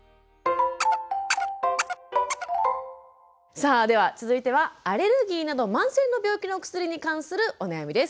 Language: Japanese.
さあでは続いてはアレルギーなど慢性の病気のお薬に関するお悩みです。